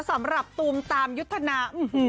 สำหรับตูมตามยุทธนา